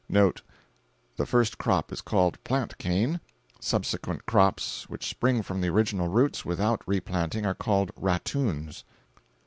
[NOTE.—The first crop is called "plant cane;" subsequent crops which spring from the original roots, without replanting, are called "rattoons."